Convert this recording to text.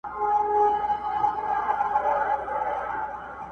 نثر يې بېل رنګ لري ښکاره